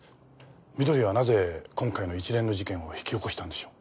美登里はなぜ今回の一連の事件を引き起こしたんでしょう？